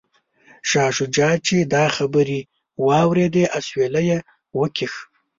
شاه شجاع چې دا خبرې واوریدې اسویلی یې وکیښ.